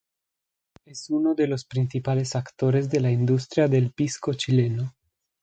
Es uno de los principales actores de la industria del pisco chileno.